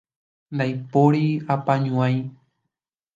Ndaipóri apañuái.